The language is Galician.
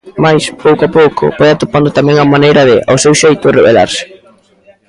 Mais, pouco a pouco, vai atopando tamén a maneira de, ao seu xeito, rebelarse.